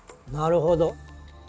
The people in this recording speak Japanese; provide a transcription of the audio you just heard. なるほど。